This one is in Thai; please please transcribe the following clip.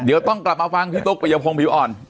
เดี๋ยวต้องกลับมาฟังพี่ตุ๊กปริยพงศ์ผิวอ่อน